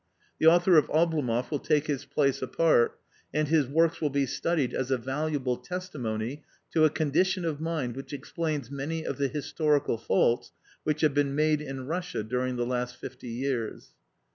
The author of Oblomoff will take his place apart, and his works will be studied as a valuable testimony to a condition of mind which explains many of the historical faults which have been made in Russia during the last fifty years."